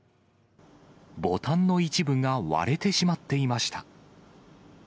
ボタンの一部が割れてしまっていました。